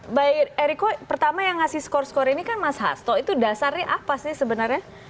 mbak eriko pertama yang ngasih skor skor ini kan mas hasto itu dasarnya apa sih sebenarnya